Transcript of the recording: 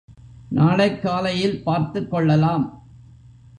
நாளைக் காலையில் பார்த்துக்கொள்ளலாம்.